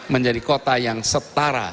menjadi kota yang setara